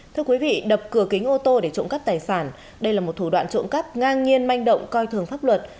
thưa quý vị đập cửa kính ô tô để trộm cắp tài sản đây là một thủ đoạn trộm cắp ngang nhiên manh động coi thường pháp luật